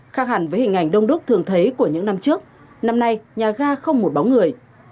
khác hẳn với hình ảnh đông đúc thường thấy của những năm trước năm nay nhà ga không một bóng người